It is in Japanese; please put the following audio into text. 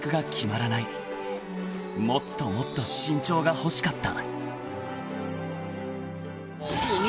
［もっともっと身長が欲しかった］